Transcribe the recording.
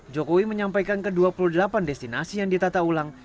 jokowi menyampaikan ke dua puluh delapan destinasi yang ditata ulang